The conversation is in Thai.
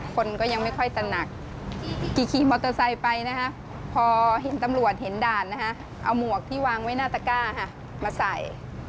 คนก็ยังไม่ค่อยตระหนักกี่ขี่มอเตอร์ไซค์ไปนะฮะพอเห็นตำรวจเห็นด่านนะฮะเอาหมวกที่วางไว้หน้าตะก้าค่ะมาใส่